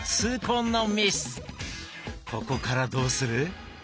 ここからどうする？